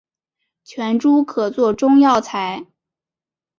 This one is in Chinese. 全株可做中药材。